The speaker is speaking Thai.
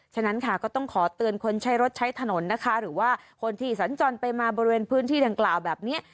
ฉะนั้นค่ะก็ต้องขอเตือนคนใช้รถใช้ถนนนะคะหรือว่าคนที่สัญจรไปมาบริเวณพื้นที่ดังกล่าวแบบนี้